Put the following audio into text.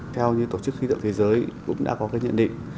theo những tổ chức khí độ thế giới cũng đã có cái nhận định